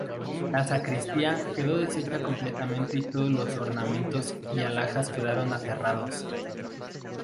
La sacristía quedó deshecha completamente y todos los ornamentos y alhajas quedaron aterrados.